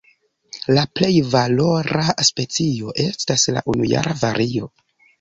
La plej valora specio estas la unujara vario.